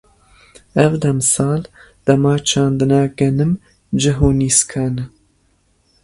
Ev demsal, dema çandina genim, ceh û nîskan e.